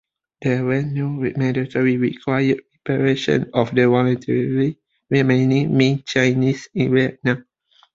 There was no mandatory required reparation of the voluntarily remaining Ming Chinese in Vietnam.